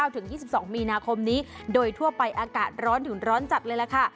ถึง๒๒มีนาคมนี้โดยทั่วไปอากาศร้อนถึงร้อนจัดเลยล่ะค่ะ